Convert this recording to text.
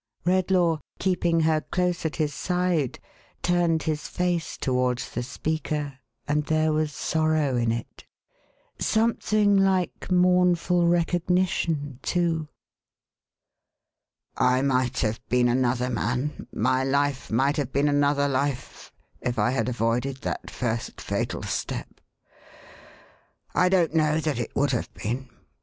'1 Redlaw, keeping her close at his side, turned his face towards the speaker, and there was sorrow in it. Some thing like mournful recognition too. " I might have been another man, my life might have been another life, if I had avoided that first fatal step. I don't know that it would have been.